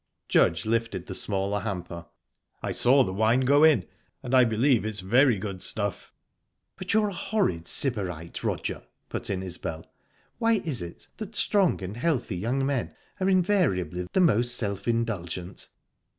Judge lifted the smaller hamper. "I saw the wine go in, and I believe it's very good stuff." "But you're a horrid sybarite, Roger," put in Isbel. "Why is it that strong and healthy young men are invariably the most self indulgent?"